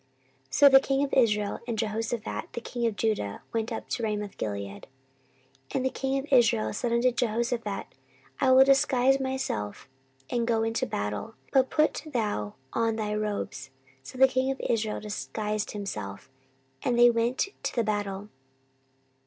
14:018:028 So the king of Israel and Jehoshaphat the king of Judah went up to Ramothgilead. 14:018:029 And the king of Israel said unto Jehoshaphat, I will disguise myself, and I will go to the battle; but put thou on thy robes. So the king of Israel disguised himself; and they went to the battle.